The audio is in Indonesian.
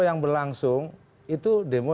yang berlangsung itu demo